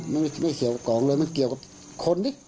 ไม่เกี่ยวกับกองเลยมันเกี่ยวกับคนที่